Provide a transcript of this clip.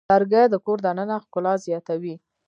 لرګی د کور دننه ښکلا زیاتوي.